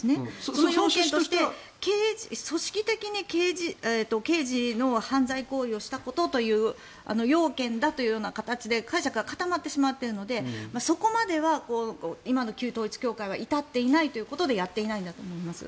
その要件として組織的に刑事の犯罪行為をしたことという要件だという形で解釈が固まってしまっているのでそこまでは今の旧統一教会は至っていないということはやっていないんだと思います。